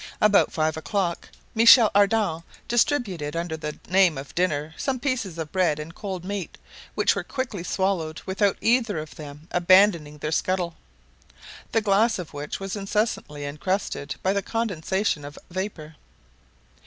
About five o'clock, Michel Ardan distributed, under the name of dinner, some pieces of bread and cold meat, which were quickly swallowed without either of them abandoning their scuttle, the glass of which was incessantly encrusted by the condensation of vapor.